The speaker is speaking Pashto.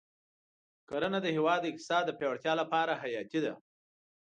کرنه د هېواد د اقتصاد د پیاوړتیا لپاره حیاتي ده.